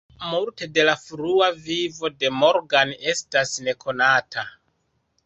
Multe de la frua vivo de Morgan estas nekonata.